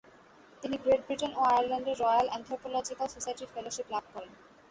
তিনি Great Britain ও আয়ারল্যান্ডের রয়াল অ্যানথ্রোপলজিক্যাল সোসাইটির ফেলোশিপ লাভ করেন।